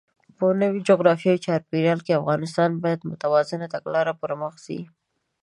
په نوي جغرافیايي چاپېریال کې، افغانستان باید متوازنه تګلاره پرمخ بوځي.